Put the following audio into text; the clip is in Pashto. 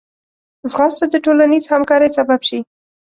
ځغاسته د ټولنیز همکارۍ سبب شي